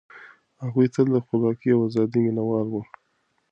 هغوی تل د خپلواکۍ او ازادۍ مينه وال وو.